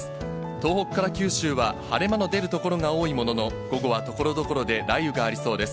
東北から九州は晴れ間が出るところも多いものの、午後は所々で雷雨がありそうです。